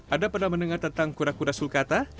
ada pada mendengar tentang kura kura sulkata